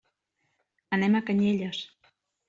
Anem a Canyelles.